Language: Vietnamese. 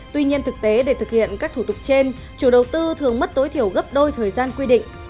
tuy nhiên thực tế để thực hiện các thủ tục trên chủ đầu tư thường mất tối thiểu gấp đôi thời gian quy định